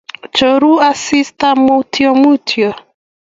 choru asista mutyomutyo